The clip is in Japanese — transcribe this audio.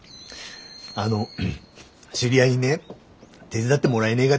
あの知り合いにね手伝ってもらえねえがって頼まれて。